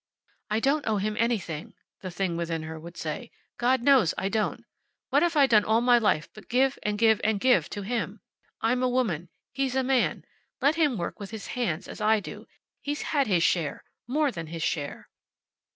"I don't owe him anything," the thing within her would say. "God knows I don't. What have I done all my life but give, and give, and give to him! I'm a woman. He's a man. Let him work with his hands, as I do. He's had his share. More than his share."